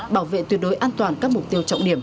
bảo vệ tuyệt đối an toàn các mục tiêu trọng điểm